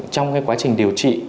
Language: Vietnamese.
trong quá trình điều trị